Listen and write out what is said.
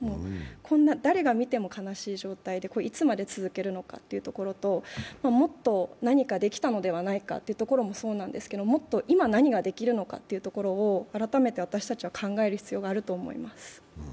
こんな、誰がみても悲しい状態をいつまで続けるのかということともっと何かできたのではないかというところもそうなんですけどもっと今何ができるのかというところを改めて私たちは考える必要があると思います。